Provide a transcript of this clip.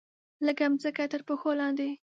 لږه مځکه ترپښو لاندې